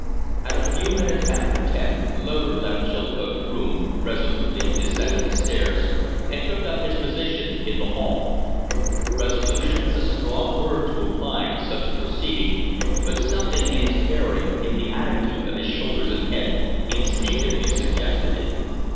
At a few minutes after ten Loder left Chilcote's room, resolutely descended the stairs, and took up his position in the hall. Resolution is a strong word to apply to such a proceeding, but something in his bearing, in the attitude of his shoulders and head, instinctively suggested it.